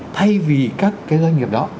thì thay vì các cái doanh nghiệp đó